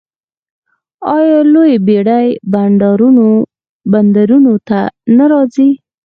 آیا لویې بیړۍ بندرونو ته نه راځي؟